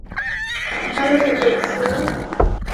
ভালো থেকো, সোনা।